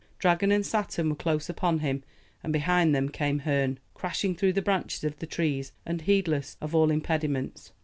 Dragon and Saturn were close upon him, and behind them came Herne, crashing through the branches of the trees, and heedless of all impediments.